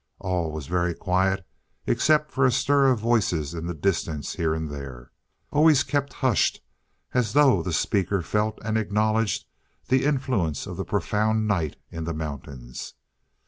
All was very quiet except for a stir of voices in the distance here and there, always kept hushed as though the speaker felt and acknowledged the influence of the profound night in the mountains.